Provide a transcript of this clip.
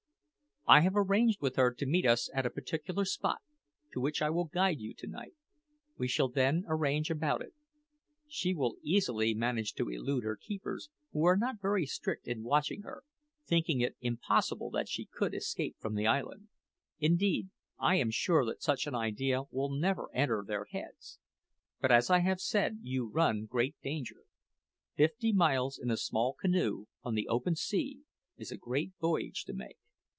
"I have arranged with her to meet us at a particular spot, to which I will guide you to night. We shall then arrange about it. She will easily manage to elude her keepers, who are not very strict in watching her, thinking it impossible that she could escape from the island. Indeed, I am sure that such an idea will never enter their heads. But, as I have said, you run great danger. Fifty miles in a small canoe, on the open sea, is a great voyage to make.